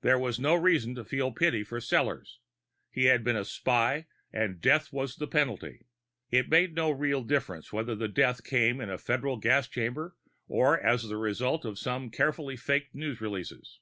There was no reason to feel pity for Sellors; he had been a spy and death was the penalty. It made no real difference whether death came in a federal gas chamber or as the result of some carefully faked news releases.